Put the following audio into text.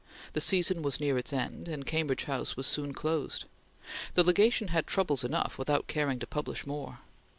The season was near its end, and Cambridge House was soon closed. The Legation had troubles enough without caring to publish more.